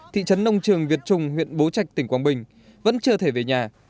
thị trấn nông trường việt trung huyện bố trạch tỉnh quảng bình vẫn chưa thể về nhà